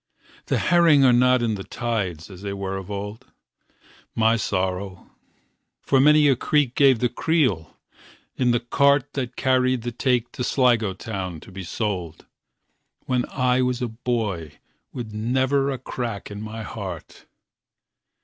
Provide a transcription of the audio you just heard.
The herring are not in the tides as they were of old; My sorrow! for many a creak gave the creel in the cart That carried the take to Sligo town to be sold, When I was a boy with never a crack in my heart.